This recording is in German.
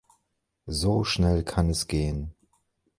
So schnell kann es gehen.